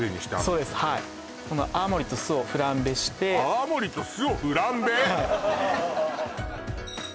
そうですはいこの泡盛と酢をフランベして泡盛と酢をフランベ！？